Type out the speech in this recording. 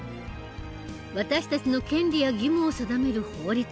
私たちの権利や義務を定める法律。